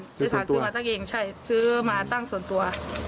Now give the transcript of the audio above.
ซื้อทางซื้อมาตั้งเองใช่ซื้อมาตั้งส่วนตัว